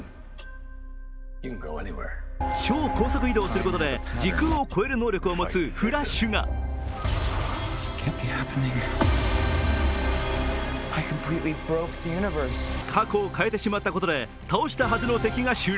超高速移動することで時空を超える能力を持つフラッシュが過去を変えてしまったことで倒したはずの敵が襲来。